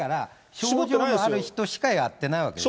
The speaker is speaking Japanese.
症状がある人しかやってないわけでしょ。